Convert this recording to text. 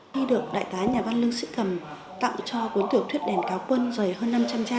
khi được đại tá nhà văn lương sĩ cầm tặng cho cuốn tiểu thuyết đèn cáo quân dày hơn năm trăm linh trang